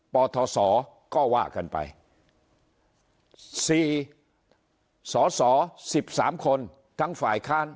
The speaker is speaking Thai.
ปทศก็ว่ากันไปสี่สศสิบสามคนทั้งฝ่ายค้าน